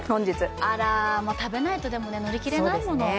食べないと乗り切れないもの。